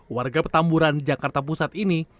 warga petamburan jakarta pusat ini